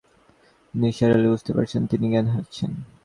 নিসার আলি বুঝতে পারছেন, তিনি জ্ঞান হারাচ্ছেন।